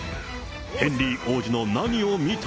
ヘンリー王子の何を見た？